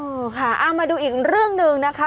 ค่ะเอามาดูอีกเรื่องหนึ่งนะคะ